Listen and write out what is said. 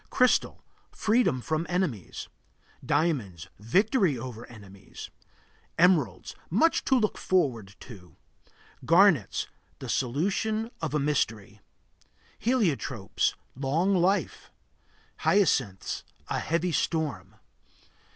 Crystal Freedom from enemies. Diamonds Victory over enemies. Emeralds Much to look forward to. Garnets The solution of a mystery. Heliotropes Long life. Hyacinths A heavy storm.